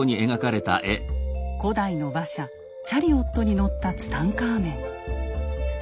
古代の馬車チャリオットに乗ったツタンカーメン。